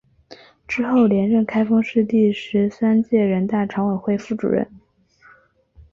之后连任开封市第十三届人大常委会副主任。